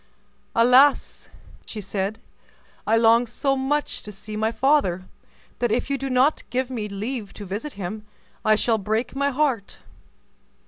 "Alas!" she said, "I long so much to see my father, that if you do not give me leave to visit him, I shall break my heart."